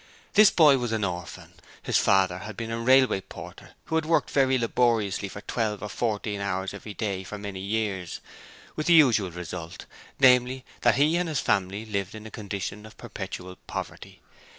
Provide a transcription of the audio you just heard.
This boy was an orphan. His father had been a railway porter who had worked very laboriously for twelve or fourteen hours every day for many years, with the usual result, namely, that he and his family lived in a condition of perpetual poverty.